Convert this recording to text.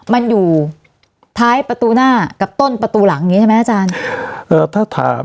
มันอยู่ท้ายประตูหน้ากับต้นประตูหลังนี้ใช่ไหมอาจารย์เอ่อถ้าถาม